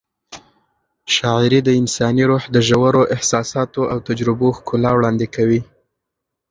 شاعري د انساني روح د ژورو احساساتو او تجربو ښکلا وړاندې کوي.